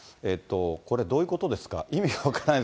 これ、どういうことですか。